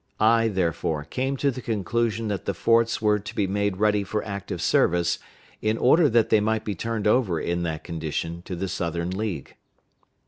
I, therefore, came to the conclusion that the forts were to be made ready for active service, in order that they might be turned over in that condition to the Southern League.